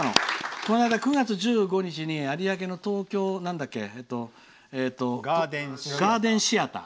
この間、９月１５日に有明の東京ガーデンシアター。